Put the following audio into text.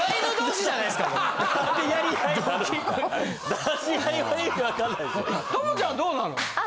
朋ちゃんどうなのよ？